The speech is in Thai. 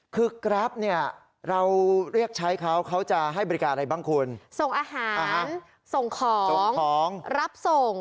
คือแกรปเนี่ยเราเรียกใช้เขาเขาจะให้บริการอะไรบ้างคุณส่งอาหารอาหารส่งของส่งของรับส่ง